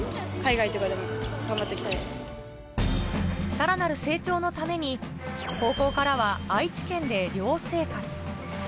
さらなる成長のために高校からは愛知県で寮生活。